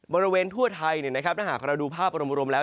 บริเวณทั่วไทยถ้าหากเราดูภาพรวมแล้ว